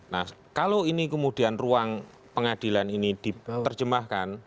nah kalau ini kemudian ruang pengadilan ini diterjemahkan